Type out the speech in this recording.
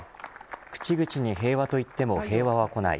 口々に平和といっても平和は来ない。